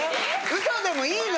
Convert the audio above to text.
ウソでもいいの！